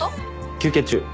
休憩中。